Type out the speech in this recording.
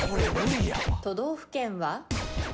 都道府県は？